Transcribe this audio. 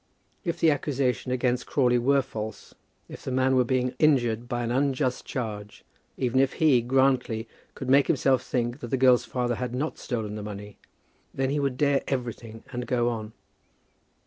If the accusation against Crawley were false, if the man were being injured by an unjust charge, even if he, Grantly, could make himself think that the girl's father had not stolen the money, then he would dare everything and go on.